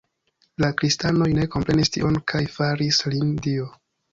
La kristanoj ne komprenis tion kaj faris lin dio.